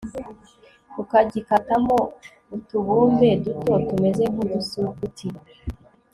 ukagikatamo utubumbe duto tumeze nkudusuguti